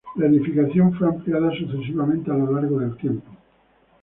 La edificación fue ampliada sucesivamente a lo largo del tiempo.